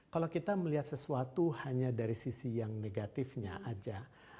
kalau kita melihat sesuatu hanya dari sisi yang negatifnya aja